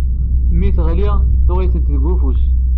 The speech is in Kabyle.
Mi teɣli, tuɣ-itent deg ufus.